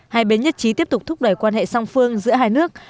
hai bên nhất trí tiếp tục thúc đẩy quan hệ song phương giữa hai nước